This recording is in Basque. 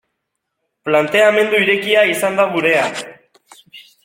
Planteamendu irekia izan da gurea.